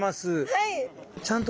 はい。